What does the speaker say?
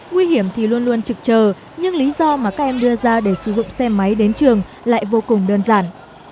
nguy hiểm thì luôn luôn trực chờ nhưng lý do mà các em đưa ra để sử dụng xe máy đến trường lại vô cùng đơn giản